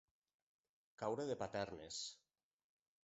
Caure de paternes.